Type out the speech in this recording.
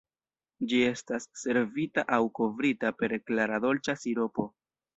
Ĝi estas servita aŭ kovrita per klara dolĉa siropo.